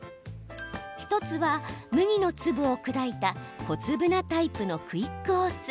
１つは、麦の粒を砕いた小粒なタイプのクイックオーツ。